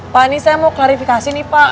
pak ini saya mau klarifikasi nih pak